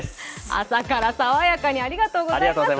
朝から爽やかにありがとうございます。